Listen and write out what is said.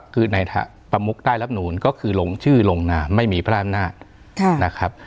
คือในประมุกใต้รับนูลก็คือลงชื่อลงนามไม่มีพระอำนาจนะครับ